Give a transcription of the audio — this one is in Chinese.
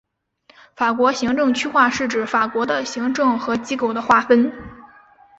法国行政区划是指法国的行政和机构的划分。